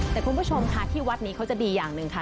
แต่คุณผู้ชมค่ะที่วัดนี้เขาจะดีอย่างหนึ่งค่ะ